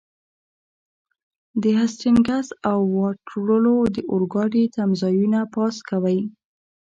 د هسټینګز او واټرلو د اورګاډي تمځایونه پاس کوئ.